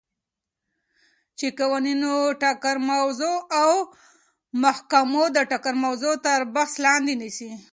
چی قوانینو ټکر موضوع او محاکمو د ټکر موضوع تر بحث لاندی نیسی ،